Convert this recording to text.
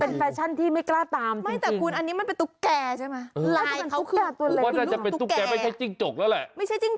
เป็นแฟชั่นที่ไม่กล้าตามจริง